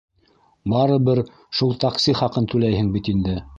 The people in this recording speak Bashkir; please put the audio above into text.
Барыбер шул такси хаҡын түләйһең бит инде.